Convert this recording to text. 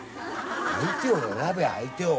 相手を選べ相手を！